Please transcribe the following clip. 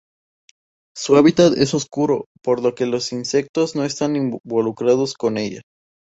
Su hábitat es oscuro, por lo que insectos no están involucrados con ella.